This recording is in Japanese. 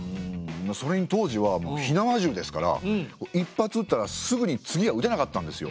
それに当時は火縄銃ですから一発うったらすぐに次はうてなかったんですよ。